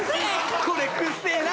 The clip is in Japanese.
これくっせえな！